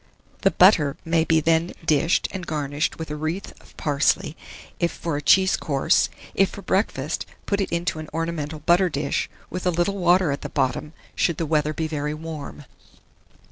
The butter may be then dished, and garnished with a wreath of parsley, if for a cheese course; if for breakfast, put it into an ornamental butter dish, with a little water at the bottom, should the weather be very warm.